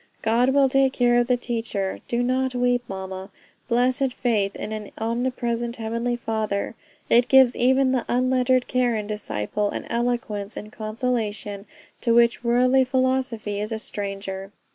God will take care of the teacher; do not weep, mama." Blessed faith in an omnipresent Heavenly Father! It gives even the unlettered Karen disciple, an eloquence in consolation, to which worldly philosophy is a stranger.